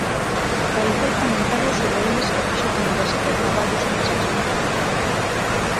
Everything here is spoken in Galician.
Realizou comentario sobre eles e fixo trinta e sete traballos en sánscrito.